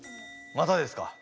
またですか？